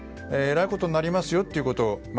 えらいことになりますよということを。